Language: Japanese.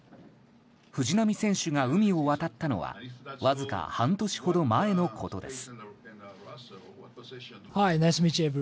藤浪選手が海を渡ったのはわずか半年ほど前のことです。